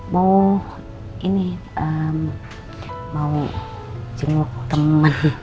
mau ini ehm mau jemput temen